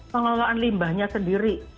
pengelolaan limbahnya sendiri